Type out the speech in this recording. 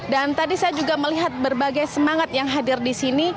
dan tadi saya juga melihat berbagai semangat yang hadir di sini